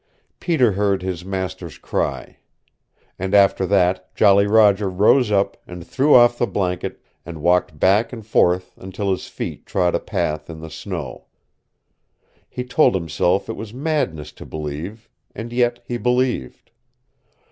Peter heard his master's cry. And after that Jolly Roger rose up and threw off the blanket and walked back and forth until his feet trod a path in the snow. He told himself it was madness to believe, and yet he believed.